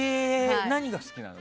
何が好きなのｗ